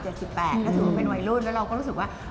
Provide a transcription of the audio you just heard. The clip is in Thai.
ก็ถือว่าเป็นวัยรุ่นแล้วเราก็รู้สึกว่า